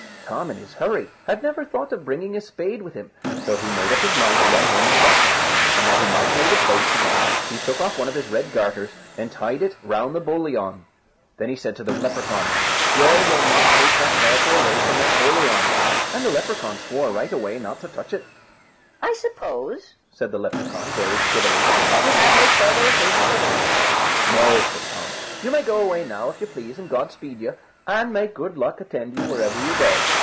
Tom in his hurry had never thought of bringing a spade with him, so he made up his mind to run home and fetch one; and that he might know the place again he took off one of his red garters, and tied it round the boliaun. Then he said to the Lepracaun, "Swear ye'll not take that garter away from that boliaun." And the Lepracaun swore right away not to touch it. "I suppose," said the Lepracaun, very civilly, "you have no further occasion for me?" "No," says Tom; "you may go away now, if you please, and God speed you, and may good luck attend you wherever you go."